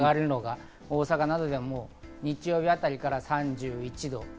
大阪などでは日曜日あたりから３１度。